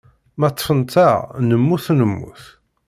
Ma ṭṭfent-aɣ, nemmut nemmut.